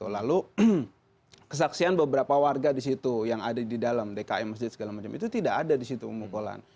lalu kesaksian beberapa warga di situ yang ada di dalam dkm masjid segala macam itu tidak ada di situ pemukulan